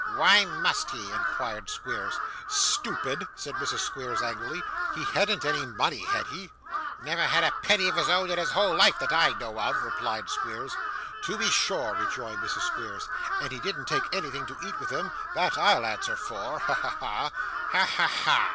'Why must he?' inquired Squeers. 'Stupid!' said Mrs. Squeers angrily. 'He hadn't any money, had he?' 'Never had a penny of his own in his whole life, that I know of,' replied Squeers. 'To be sure,' rejoined Mrs. Squeers, 'and he didn't take anything to eat with him; that I'll answer for. Ha! ha! ha!' 'Ha! ha! ha!